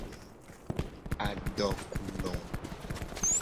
Adokuno.